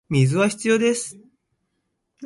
水は必要です